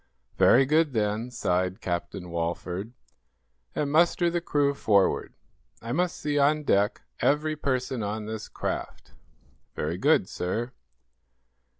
"Very good, then," sighed Captain Walford. "And muster the crew forward. I must see on deck every person on this craft." "Very good, sir."